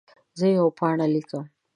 زه یوه پاڼه لیکم.